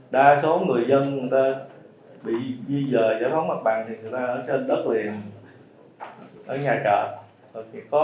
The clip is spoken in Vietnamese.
đa số người dân người ta bị di dời giải phóng mặt bằng thì người ta ở trên đất liền ở nhà chờ